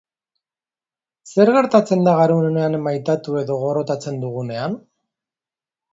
Zer gertatzen da garunean maitatu edo gorrotatzen dugunean?